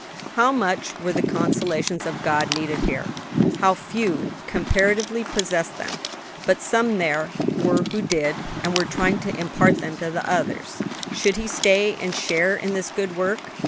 How much were the consolations of God needed here! how few, comparatively, possessed them. But some there were who did, and were trying to impart them to others. Should he stay and share in this good work?